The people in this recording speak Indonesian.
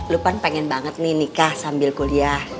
lu pan pengen banget nih nikah sambil kuliah